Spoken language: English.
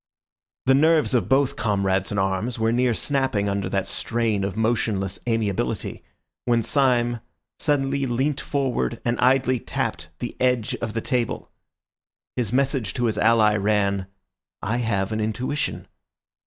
The nerves of both comrades in arms were near snapping under that strain of motionless amiability, when Syme suddenly leant forward and idly tapped the edge of the table. His message to his ally ran, "I have an intuition."